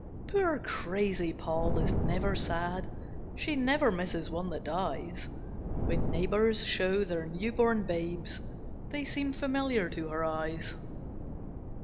Poor, crazy Poll is never sad, She never misses one that dies; When neighbours show their new born babes, They seem familiar to her eyes.